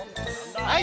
はい！